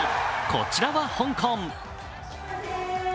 こちらは香港。